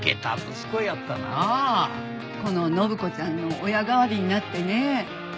この展子ちゃんの親代わりになってねえ。